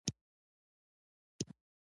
د ټکنالوژۍ او بازارونو لپاره یو بل ته اړ دي